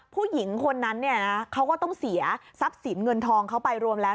ผู้หญิงคนนั้นเนี่ยนะเขาก็ต้องเสียทรัพย์สินเงินทองเขาไปรวมแล้ว